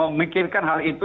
lebih dulu memikirkan hal itu